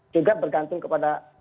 juga bergantung kepada